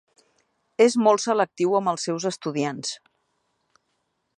És molt selectiu amb els seus estudiants.